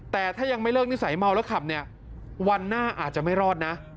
แต่ถ้ายังไม่เลิกนิสัยเมาแล้วขับเนี่ยวันหน้าอาจจะไม่รอดนะ